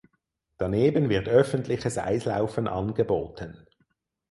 Daneben wird öffentliches Eislaufen angeboten.